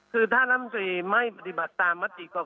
คือถ้ารัฐมนตรีไม่ปฏิบัติตามมติกรกรอนี่